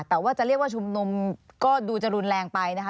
แต่ว่าจะเรียกว่าชุมนุมก็ดูจะรุนแรงไปนะคะ